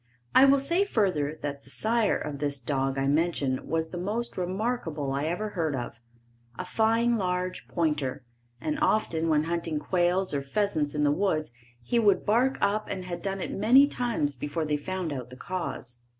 I will say further that the sire of this dog I mention was the most remarkable I ever heard of a fine large pointer, and often when hunting quails or pheasants in the woods he would bark up and had done it many times before they found out the cause.